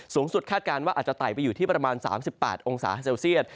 คาดการณ์ว่าอาจจะไต่ไปอยู่ที่ประมาณ๓๘องศาเซลเซียต